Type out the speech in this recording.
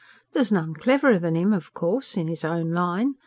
There's none cleverer than 'im, of course, in 'is own line.